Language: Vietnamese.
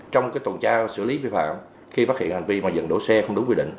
trong cái tồn tra xử lý vi phạm khi phát hiện hành vi mà dần đổ xe không đúng quy định